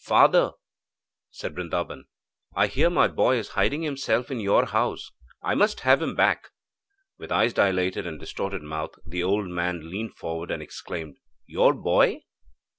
'Father,' said Brindaban, 'I hear my boy is hiding himself in your house. I must have him back.' With eyes dilated and distorted mouth, the old man leaned forward and exclaimed: 'Your boy?'